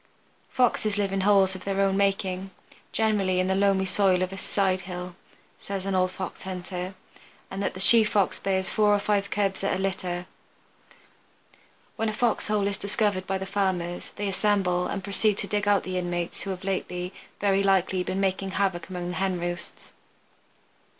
Foxes live in holes of their own making, generally in the loamy soil of a side hill, says an old Fox hunter, and the she Fox bears four or five cubs at a litter. When a fox hole is discovered by the Farmers they assemble and proceed to dig out the inmates who have lately, very likely, been making havoc among the hen roosts.